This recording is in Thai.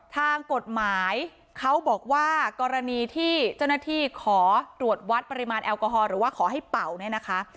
ทางกฎหมายเขาบอกว่ากรณีที่เจ้าหน้าที่ขอตรวจวัดปริมาณแอลกอฮอลหรือว่าขอให้เป่าเนี่ยนะคะ